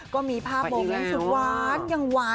ก็มีภาพโมเมนต์สุดหวานยังหวาน